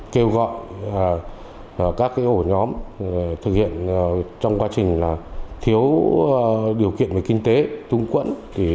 kêu gọi các hộ nhóm thực hiện trong quá trình thiếu điều kiện về kinh tế tung quẫn